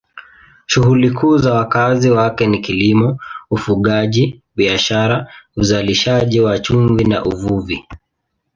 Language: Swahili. Shughuli kuu za wakazi wake ni kilimo, ufugaji, biashara, uzalishaji wa chumvi na uvuvi.